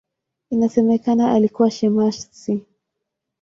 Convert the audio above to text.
Inasemekana alikuwa shemasi.